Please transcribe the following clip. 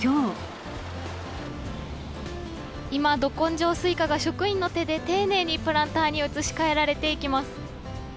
今、ど根性スイカが職員の手で丁寧にプランターに移し替えられていきます。